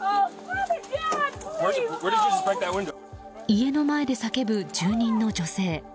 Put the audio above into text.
家の前で叫ぶ住人の女性。